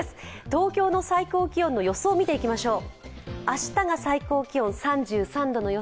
東京の最高気温の予想を見ていきましょう。